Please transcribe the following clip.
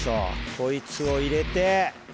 こいつを入れて。